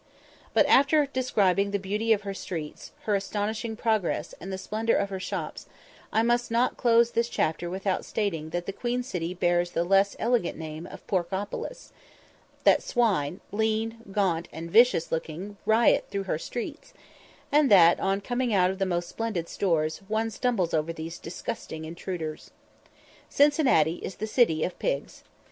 But after describing the beauty of her streets, her astonishing progress, and the splendour of her shops, I must not close this chapter without stating that the Queen City bears the less elegant name of Porkopolis; that swine, lean, gaunt, and vicious looking, riot through her streets; and that, on coming out of the most splendid stores, one stumbles over these disgusting intruders. Cincinnati is the city of pigs.